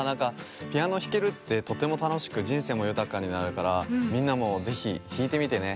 ピアノひけるってとてもたのしくじんせいもゆたかになるからみんなもぜひひいてみてね。